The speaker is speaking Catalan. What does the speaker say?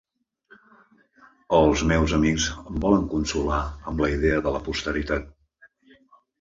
Els meus amics em volen consolar amb la idea de la posteritat.